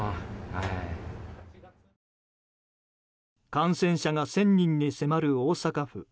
感染者が１０００人に迫る大阪府。